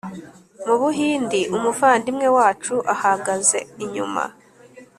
Mu Buhindi Umuvandimwe wacu ahagaze inyuma